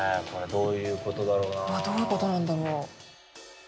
どういうことなんだろう。